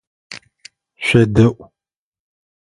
ШъуедэIу!